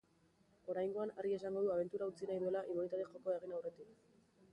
Oraingoan argi esango du abentura utzi nahi duela immunitate-jokoa egin aurretik.